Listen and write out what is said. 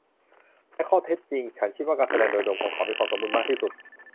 ในข้อเท็จจริง ฉันคิดว่าการแสดงโดยรวมของเขามีความสมบูรณ์มากที่สุด